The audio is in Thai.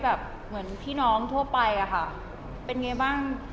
สบายแบบเหมือนพี่น้องทั่วไปค่ะเป็นไงบ้าง